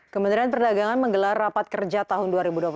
kementerian perdagangan menggelar rapat kerja tahun dua ribu dua puluh satu